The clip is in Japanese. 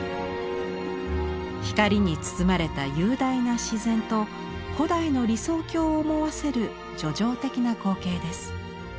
光に包まれた雄大な自然と古代の理想郷を思わせる叙情的な光景です。